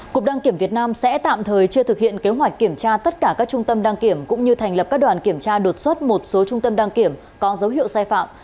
cục đăng kiểm việt nam sẽ tạm thời chưa thực hiện kế hoạch kiểm tra tất cả các trung tâm đăng kiểm cũng như thành lập các đoàn kiểm tra đột xuất một số trung tâm đăng kiểm có dấu hiệu sai phạm